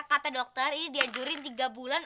kata dokter ini dianjurin tiga bulan